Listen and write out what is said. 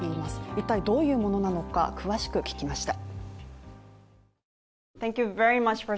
一体どういうものなのか詳しく聞きました。